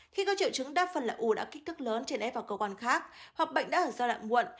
khi có triệu chứng đa phần là u đã kích thước lớn trên ép vào cơ quan khác hoặc bệnh đã ở giai đoạn muộn